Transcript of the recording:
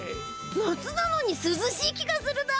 夏なのにすずしい気がするだ！